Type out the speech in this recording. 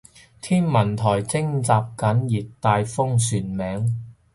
天文台徵集緊熱帶風旋名